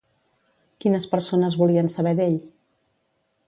Quines persones volien saber d'ell?